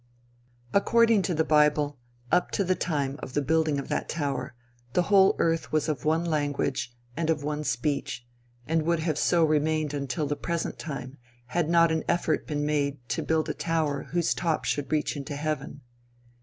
According to the bible, up to the time of the building of that tower, the whole earth was of one language and of one speech, and would have so remained until the present time had not an effort been made to build a tower whose top should reach into heaven.